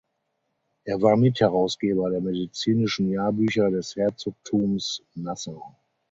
Er war Mitherausgeber der Medizinischen Jahrbücher des Herzogthums Nassau.